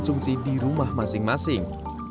konsumsi di rumah masing masing